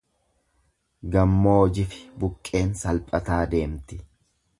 Gammoojifi buqqeen salphataa deemti.